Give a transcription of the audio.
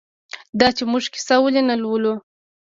دا چې موږ کیسه ولې نه لولو؟